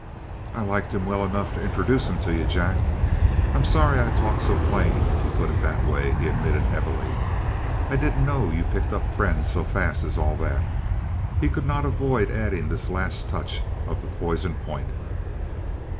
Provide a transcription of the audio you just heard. "I liked him well enough to introduce him to you, Jack." "I'm sorry I talked so plain if you put it that way," he admitted heavily. "I didn't know you picked up friends so fast as all that!" He could not avoid adding this last touch of the poison point.